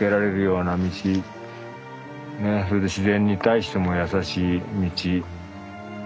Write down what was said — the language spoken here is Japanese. ねそれで自然に対してもやさしい道。